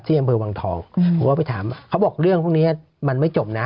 อำเภอวังทองผมก็ไปถามเขาบอกเรื่องพวกนี้มันไม่จบนะ